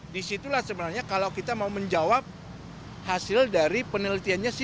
disitulah sebenarnya kalau kita mau menjawab hasil dari penelitiannya